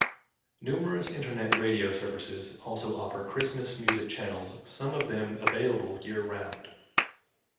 Numerous Internet radio services also offer Christmas music channels, some of them available year-round.